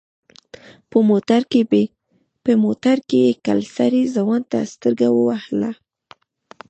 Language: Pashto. په موټر کې يې کلسري ځوان ته سترګه ووهله.